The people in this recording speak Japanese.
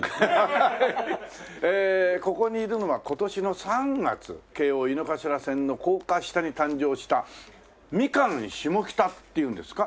ここにいるのは今年の３月京王井の頭線の高架下に誕生したミカン下北っていうんですか？